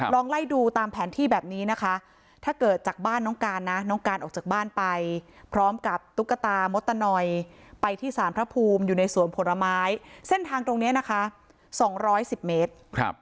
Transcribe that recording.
ลองไล่ดูตามแผนที่แบบนี้นะคะถ้าเกิดจากบ้านน้องการนะน้องการออกจากบ้านไปพร้อมกับตุ๊กตามดตะนอยไปที่สารพระภูมิอยู่ในสวนผลไม้เส้นทางตรงนี้นะคะ๒๑๐เมตร